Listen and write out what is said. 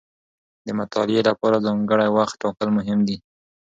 د مطالعې لپاره ځانګړی وخت ټاکل مهم دي.